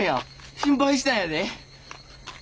心配したんやで。